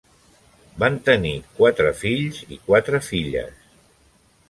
Van tenir quatre fills i quatre filles.